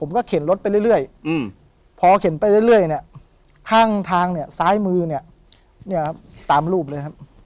เข็นรถไปเรื่อยพอเข็นไปเรื่อยเนี่ยข้างทางเนี่ยซ้ายมือเนี่ยตามรูปเลยครับ